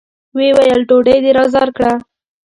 ويې ويل: ډوډۍ دې را زار کړه!